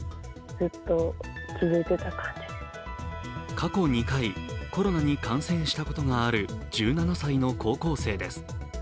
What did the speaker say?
過去２回コロナに感染したことがある１７歳の高校生です。